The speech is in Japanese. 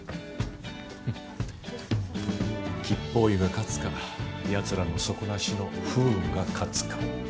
吉方位が勝つか奴らの底なしの不運が勝つか。